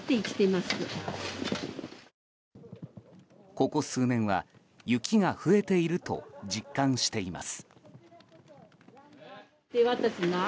ここ数年は雪が増えていると実感しています。